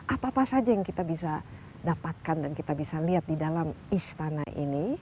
apa apa saja yang kita bisa dapatkan dan kita bisa lihat di dalam istana ini